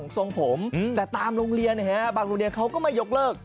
ทรงผมแต่ตามโรงเรียนบางโรงเรียนเขาก็ไม่ยกเลิก